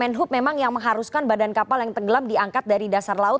menhub memang yang mengharuskan badan kapal yang tenggelam diangkat dari dasar laut